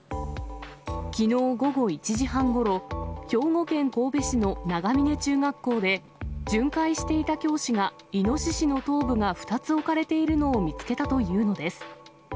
きのう午後１時半ごろ、兵庫県神戸市の長峰中学校で、巡回していた教師がイノシシの頭部が２つ置かれているのを見つけたというのです。